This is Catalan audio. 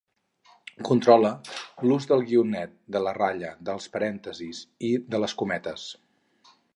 Controle l'ús del guionet, de la ratlla, dels parèntesis i de les cometes.